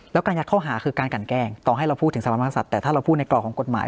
แล้วการยัดข้อหาคือการกันแกล้งต่อให้เราพูดถึงสมาศัตว์แต่ถ้าเราพูดในกรอบของกฎหมาย